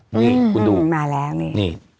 นี่คุณดูมาแล้วนี่